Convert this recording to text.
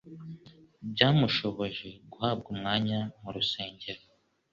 byamushoboje guhabwa umwanya mu rusengero,